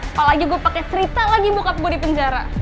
apalagi gue pake cerita lagi bokap gue di penjara